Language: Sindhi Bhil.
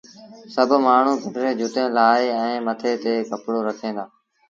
سڀ مآڻهوٚٚݩ پنڊريٚݩ جُتيٚن لآهي ائيٚݩ مٿي تي ڪپڙو رکين دآ